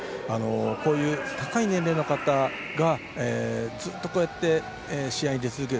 こういう高い年齢の方がずっとこうやって試合に出続ける。